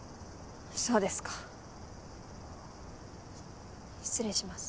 そうですか失礼します。